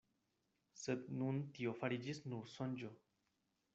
Sed nun tio fariĝis nur sonĝo.